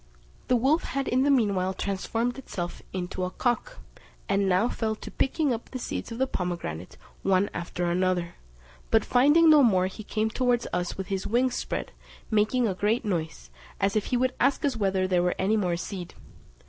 The wolf had in the meanwhile transformed itself into a cock, and now fell to picking up the seeds of the pomegranate one after another; but finding no more, he came towards us with his wings spread, making a great noise, as if he would ask us whether there were any more seed.